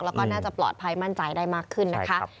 แล้วก็น่าจะปลอดภัยมั่นใจได้มากขึ้นนะคะ